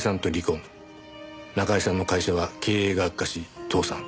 中居さんの会社は経営が悪化し倒産。